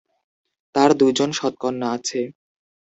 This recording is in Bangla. তার দুইজন সৎ কন্যা আছে।